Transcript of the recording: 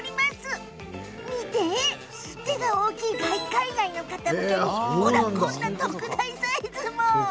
だから手が大きい海外の人向けにこんな特大サイズも。